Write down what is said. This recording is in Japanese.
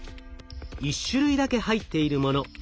１種類だけ入っているもの。